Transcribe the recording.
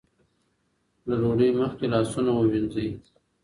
له ډوډۍ مخکې لاسونه ووینځئ.